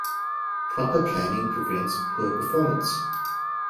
Proper Planning Prevents Poor Performance.